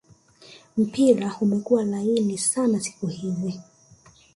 mpira umekua laini sana siku hizi